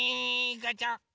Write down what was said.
ガチャ！